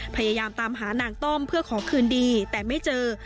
พยายามตามหานางต้อมเพื่อขอคืนดีแต่ไม่เจอ